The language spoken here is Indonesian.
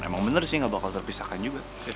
emang bener sih gak bakal terpisahkan juga